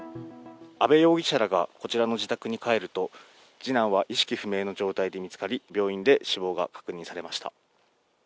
阿部容疑者らがこちらの自宅に帰ると、次男は意識不明の状態で見つかり、病院で死亡が確認されました。